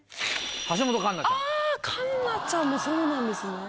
環奈ちゃんもそうなんですね。